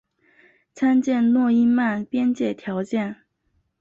参见诺伊曼边界条件。